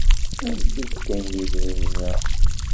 Ansi k-d-kkan yidrimen-a?